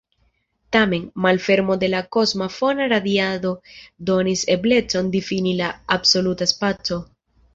Tamen, malfermo de la kosma fona radiado donis eblecon difini la absoluta spaco.